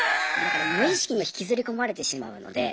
無意識に引きずり込まれてしまうので。